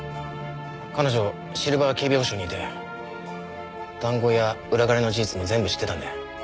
彼女シルバー警備保障にいて談合や裏金の事実も全部知ってたんで。